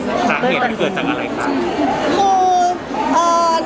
สักเหตุเกิดจากอะไรคะ